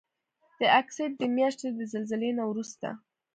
د اګست د میاشتې د زلزلې نه وروسته